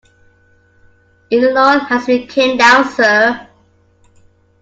In the north as we came down, sir.